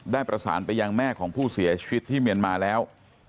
ได้ประสานไปยังแม่ของผู้เสียชีวิตที่เมียนมาแล้ว